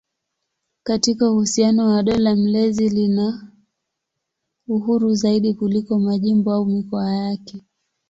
Katika uhusiano na dola mlezi lina uhuru zaidi kuliko majimbo au mikoa yake.